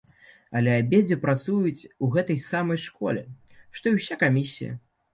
Але абедзве працуюць у гэтай самай школе, што і ўся камісія.